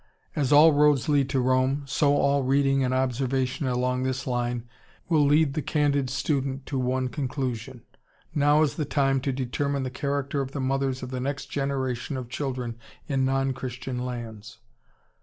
As all roads lead to Rome, so all reading and observation along this line will lead the candid student to one conclusion: _Now is the time to determine the character of the mothers of the next generation of children in non Christian lands.